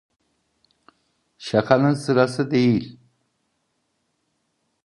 Şakanın sırası değil.